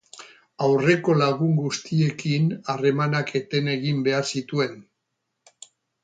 Aurreko lagun guztiekin harremanak eten egin behar zituen.